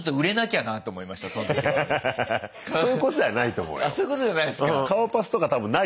あそういうことじゃないですか。